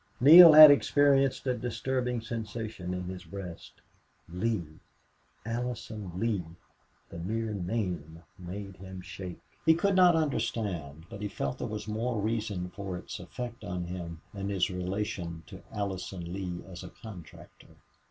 Neale had experienced a disturbing sensation in his breast. Lee! Allison Lee! The mere name made him shake. He could not understand, but he felt there was more reason for its effect on him than his relation to Allison Lee as a contractor.